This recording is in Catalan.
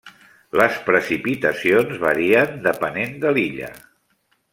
Les precipitacions varien depenent de l'illa.